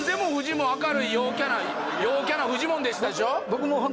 陽キャなフジモンでしたでしょ？